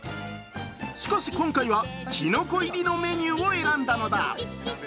しかし、今回はキノコ入りのメニューを選んだのだ。